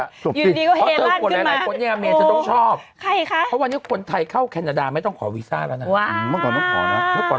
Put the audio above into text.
อยู่ดีก็เฮลั่นขึ้นมาเพราะวันนี้คนไทยเข้าแคนดาไม่ต้องขอวีซ่าแล้วนะว้าว